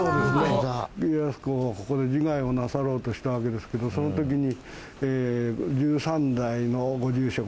家康公はここで自害をなさろうとしたわけですけどその時に。